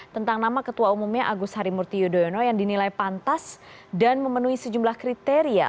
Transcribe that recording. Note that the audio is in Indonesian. tentang nama ketua umumnya agus harimurti yudhoyono yang dinilai pantas dan memenuhi sejumlah kriteria